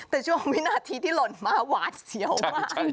แต่ช่วงวินาทีที่หล่นมาหวาดเสียวมาก